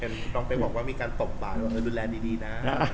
น้องเป็นบอกว่ามีการตกปากดูแลดีนะ